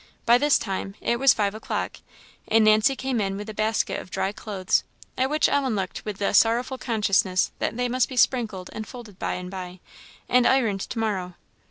By this time it was five o'clock, and Nancy came in with the basket of dry clothes; at which Ellen looked with the sorrowful consciousness that they must be sprinkled and folded by and by, and ironed to morrow.